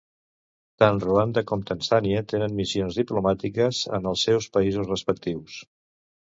Tant Ruanda com Tanzània tenen missions diplomàtiques en els seus països respectius.